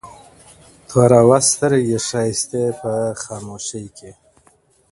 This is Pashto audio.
توروه سترگي ښايستې په خامـوشـۍ كي.